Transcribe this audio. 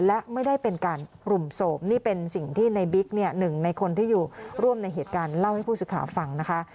และไม่ได้เป็นการกลุ่มโสมนี่เป็นสิ่งที่ในบิ๊กเนี่ยหนึ่งในคนที่อยู่ร่วมในเหตุการณ์เล่าให้ผู้สื่อข่าวฟังนะคะ